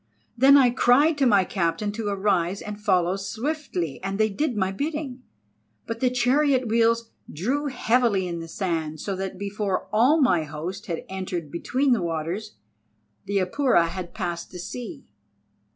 Then I cried to my captains to arise and follow swiftly, and they did my bidding. But the chariot wheels drew heavily in the sand, so that before all my host had entered between the waters, the Apura had passed the sea.